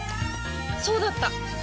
そうだった！